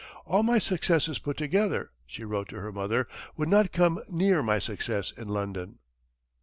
"All my successes put together," she wrote to her mother, "would not come near my success in London."